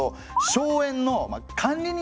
荘園の管理人？